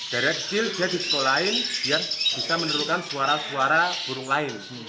dari kecil dia disekolahin biar bisa menurunkan suara suara burung lain